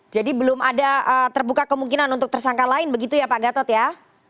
jadi belum ada terbuka kemungkinan untuk tersangka lain begitu ya pak gatot ya